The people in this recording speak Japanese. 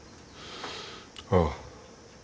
ああ。